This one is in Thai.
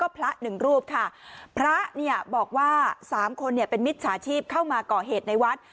พระบอกว่าสามคนเป็นมิตรสาธิบเข้ามาเกาะเหตุในวัฒน์